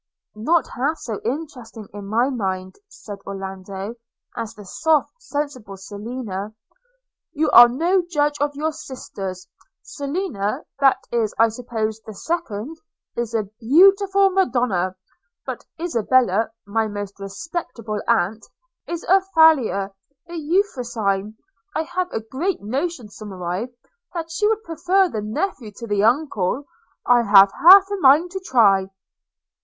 'Not half so interesting in my mind,' said Orlando, 'as the soft, sensible Selina.' 'You are no judge of your sisters – Selina, that is I suppose the second, is a beautiful Madonna; but Isabella, my most respectable aunt, is a Thalia, a Euphrosyne. – I have a great notion, Somerive, that she would prefer the nephew to the uncle – I have half a mind to try.'